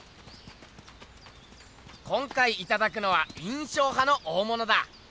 今回いただくのは印象派の大ものだ。